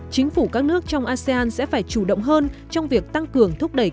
chính phủ các nước trong asean sẽ phải chủ động hơn trong việc tăng cường thúc đẩy